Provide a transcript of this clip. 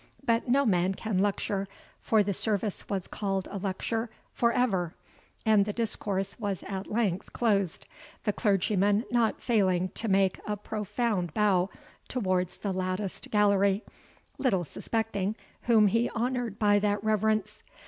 But no man can lecture (for the service was called a lecture) for ever; and the discourse was at length closed, the clergyman not failing to make a profound bow towards the latticed gallery, little suspecting whom he honoured by that reverence.